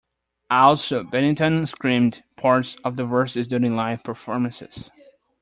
Also, Bennington screamed parts of the verses during live performances.